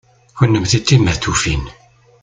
Kennemti d timehtufin.